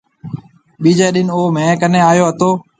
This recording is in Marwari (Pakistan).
ٻيجَي ڏِن او مهيَ ڪنيَ آيو هتو۔